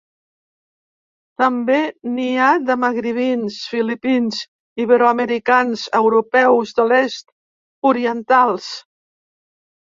També n'hi ha de magribins, filipins, iberoamericans, europeus de l'est, orientals...